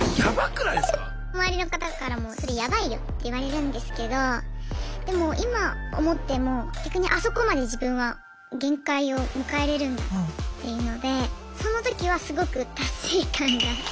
周りの方からもそれヤバいよって言われるんですけどでも今思っても逆にあそこまで自分は限界を迎えれるんだっていうのでその時はすごく達成感がありました。